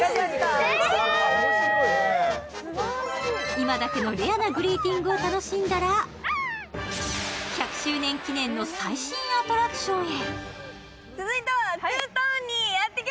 今だけのレアなグリーティングを楽しんだら、１００周年記念の最新アトラクションへ。